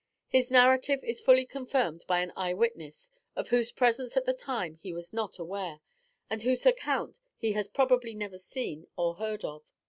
The narrative is fully confirmed by an eye witness, of whose presence at the time he was not aware, and whose account he has probably never seen or heard of.